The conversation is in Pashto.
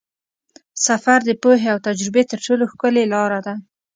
سفر د پوهې او تجربې تر ټولو ښکلې لاره ده.